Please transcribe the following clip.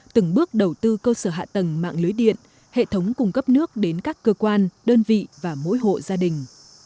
từng bước đầu tư cơ sở hạ tầng mạng lưới điện hệ thống cung cấp nước đến các cơ quan đơn vị và mỗi hộ gia đình